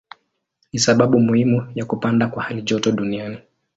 Ni sababu muhimu ya kupanda kwa halijoto duniani.